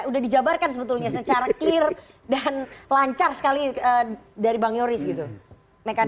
sudah dijabarkan sebetulnya secara clear dan lancar sekali dari bang yoris gitu